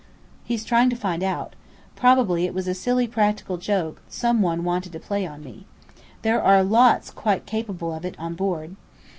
"He's trying to find out. Probably it was a silly practical joke some one wanted to play on me. There are lots quite capable of it, on board!